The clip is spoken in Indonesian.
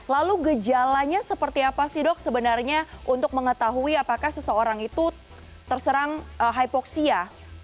lalu gejalanya seperti apa sih dok sebenarnya untuk mengetahui apakah seseorang itu terserang hipoksia